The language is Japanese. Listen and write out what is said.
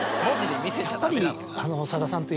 やっぱり。